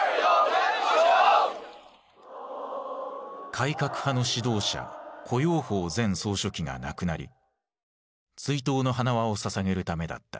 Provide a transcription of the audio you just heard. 改革派の指導者胡耀邦前総書記が亡くなり追悼の花輪を捧げるためだった。